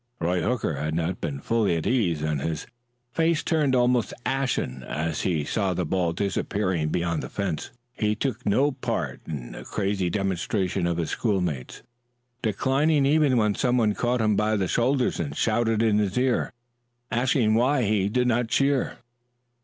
Roy Hooker had not been fully at ease, and his face turned almost ashen as he saw the ball disappearing beyond the fence. He took no part in the crazy demonstration of his schoolmates, declining even when some one caught him by the shoulders and shouted in his ear, asking why he did not cheer.